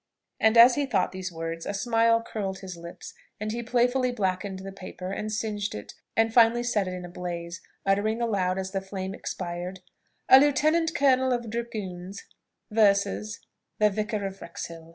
And as he thought these words, a smile curled his lips, and he playfully blackened the paper, and singed it, and finally set it in a blaze, uttering aloud as the flame expired, "A lieutenant colonel of dragoons versus the Vicar of Wrexhill."